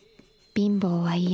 貧乏は嫌。